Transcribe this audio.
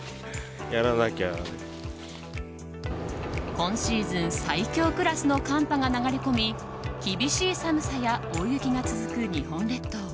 今シーズン最強クラスの寒波が流れ込み厳しい寒さや大雪が続く日本列島。